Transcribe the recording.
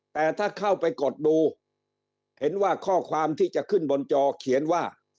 แต่ถ้าเข้าไปกดดูเห็นว่าข้อความที่จะขึ้นบนจอเขียนว่า